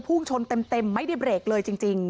พุ่งชนเต็มไม่ได้เบรกเลยจริง